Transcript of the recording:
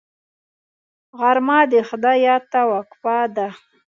غرمه د خدای یاد ته وقفه ده